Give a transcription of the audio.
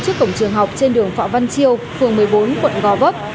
trước cổng trường học trên đường phạm văn chiêu phường một mươi bốn quận gò vấp